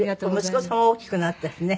息子さんも大きくなったしね。